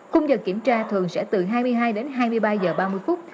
khung giờ kiểm tra thường sẽ từ hai mươi hai đến hai mươi ba giờ ba mươi phút